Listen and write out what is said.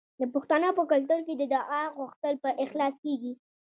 د پښتنو په کلتور کې د دعا غوښتل په اخلاص کیږي.